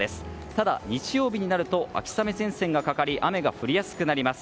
ただ、日曜日になると秋雨前線がかかり雨が降りやすくなります。